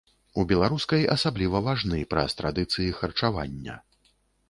У беларускай асабліва важны, праз традыцыі харчавання.